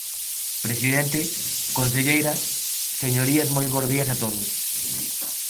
Presidente, conselleira, señorías moi bos días a todos.